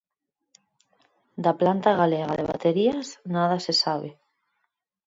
Da planta galega de baterías nada se sabe.